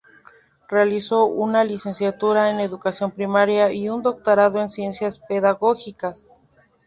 Realizó una licenciatura en educación primaria y un doctorado en ciencias pedagógicas.